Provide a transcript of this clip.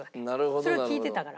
それを聞いてたから。